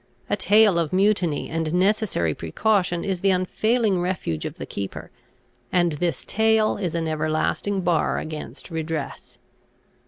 A tale of mutiny and necessary precaution is the unfailing refuge of the keeper, and this tale is an everlasting bar against redress.